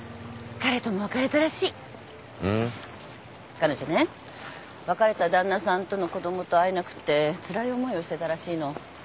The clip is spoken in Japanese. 彼女ね別れた旦那さんとの子供と会えなくてつらい思いをしてたらしいの。